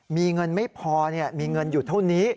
มีเงินไม่พอมีเงินอยู่เท่านี้